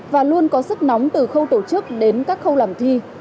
và luôn có sức nóng từ khâu tổ chức đến các khâu làm thi